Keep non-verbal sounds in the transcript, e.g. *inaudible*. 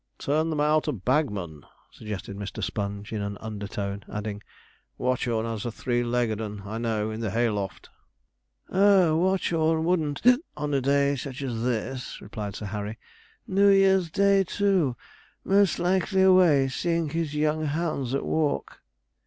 'Turn them out a bagman?' suggested Mr. Sponge, in an undertone; adding, 'Watchorn has a three legged 'un, I know, in the hay loft.' 'Oh, Watchorn wouldn't *hiccups* on such a day as this,' replied Sir Harry. 'New Year's Day, too most likely away, seeing his young hounds at walk.'